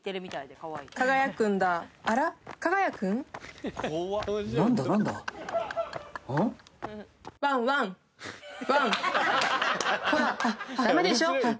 「こらダメでしょ」